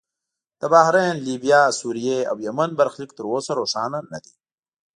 د بحرین، لیبیا، سوریې او یمن برخلیک تر اوسه روښانه نه دی.